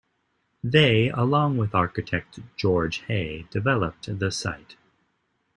They, along with architect George Hay, developed the site.